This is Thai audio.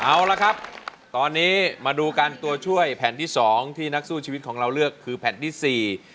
เอาละครับตอนนี้มาดูกันตัวช่วยแผ่นที่สองที่นักสู้ชีวิตของเราเลือกคือแผ่นที่สี่